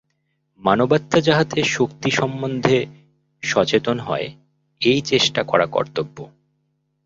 মানবাত্মা যাহাতে শক্তি সম্বন্ধে সচেতন হয়, এই চেষ্টা করা কর্তব্য।